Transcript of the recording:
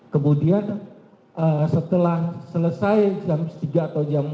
kemudian setelah selesai jam tiga atau jam empat